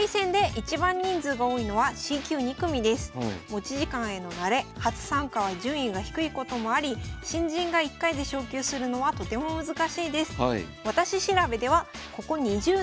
持ち時間への慣れ初参加は順位が低いこともあり新人が１回で昇級するのはとても難しいです。